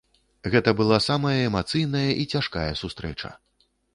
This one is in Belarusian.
Гэта была самая эмацыйная і цяжкая сустрэча.